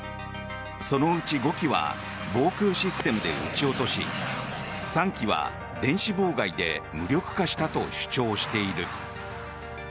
そのうち５機は防空システムで撃ち落とし３機は電子妨害で無力化したと主張している。